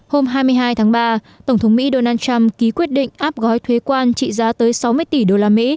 hôm hai mươi hai tháng ba tổng thống mỹ donald trump ký quyết định áp gói thuế quan trị giá tới sáu mươi tỷ usd